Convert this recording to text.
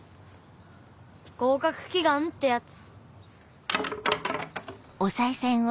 合格祈願ってやつ。